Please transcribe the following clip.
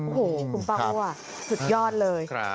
โอ้โหคุณปังโห้อ่ะสุดยอดเลย